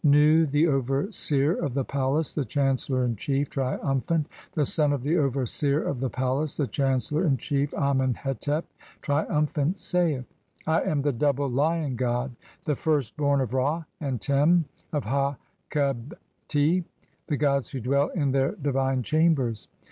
Nu, the overseer of the palace, the chancellor in chief, triumphant, the son of the overseer of the palace, the chancellor in chief, Amen hetep, triumphant, saith :— (2) "I am the double Lion god, the first born of Ra and Tem of "Ha khebti (?), [the gods] who dwell in their divine chambers.